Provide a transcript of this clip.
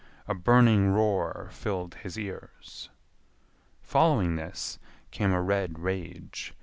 A burning roar filled his ears. Following this came a red rage.